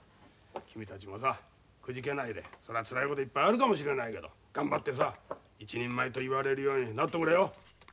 君たちもさくじけないでそりゃつらいこといっぱいあるかもしれないけど頑張ってさ一人前と言われるようになってくれよ。